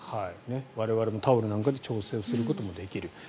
我々もタオルなんかで調節することもできる。